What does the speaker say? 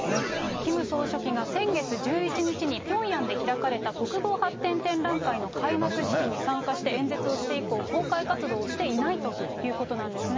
キム総書記が先月１１日にピョンヤンで開かれた国防発展展覧会の開幕式に参加して演説をして以降、公開活動をしていないということなんですね。